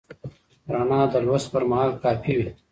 رڼا د لوست پر مهال کافي وي.